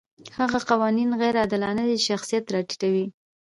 هغه قوانین غیر عادلانه دي چې شخصیت راټیټوي.